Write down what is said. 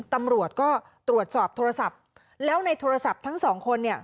ตำรวจก็ตรวจสอบโทรศัพท์แล้วในโทรศัพท์ทั้งสองคนเนี่ย